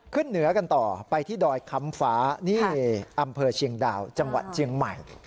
เหนือกันต่อไปที่ดอยค้ำฟ้านี่อำเภอเชียงดาวจังหวัดเชียงใหม่